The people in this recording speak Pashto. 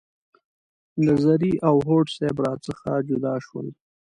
نظري او هوډ صیب را څخه جدا شول.